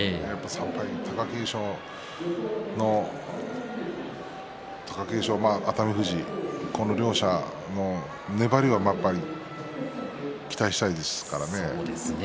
３敗の貴景勝、熱海富士この両者の粘りに期待したいですからね。